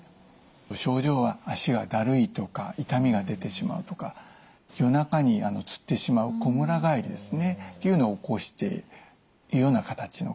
症状は脚がだるいとか痛みが出てしまうとか夜中につってしまうこむらがえりですねというのを起こしているような形の方。